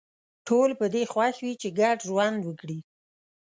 ټول په دې خوښ وي چې ګډ ژوند وکړي